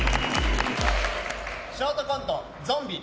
ショートコント、ゾンビ。